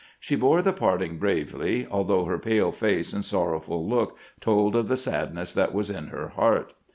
She bore the parting bravely, although her pale face and sorrowful look told of the sadness that was in her heart.